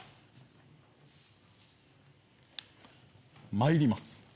まいります。